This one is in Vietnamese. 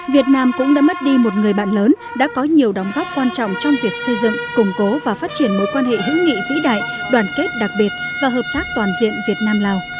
việt nam cũng đã mất đi một người bạn lớn đã có nhiều đóng góp quan trọng trong việc xây dựng củng cố và phát triển mối quan hệ hữu nghị vĩ đại đoàn kết đặc biệt và hợp tác toàn diện việt nam lào